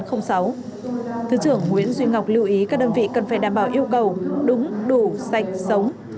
thứ trưởng nguyễn duy ngọc lưu ý các đơn vị cần phải đảm bảo yêu cầu đúng đủ sạch sống